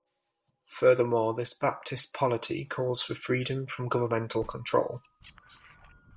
Furthermore, this Baptist polity calls for freedom from governmental control.